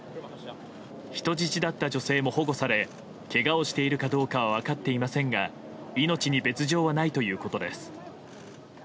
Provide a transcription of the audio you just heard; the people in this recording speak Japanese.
人質だった女性も保護されけがをしているかどうかは分かっていませんが命に別状はないということです。